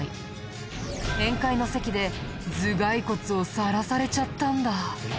宴会の席で頭蓋骨をさらされちゃったんだ。